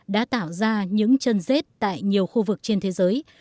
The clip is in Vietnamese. đã tạo ra những chân rết tại nhiều khu vực trên thế giới